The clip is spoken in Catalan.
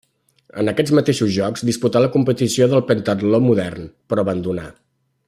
En aquests mateixos Jocs disputà la competició del pentatló modern, però abandonà.